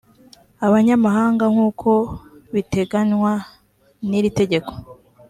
abanyamahanga nk uko biteganywa n iritegeko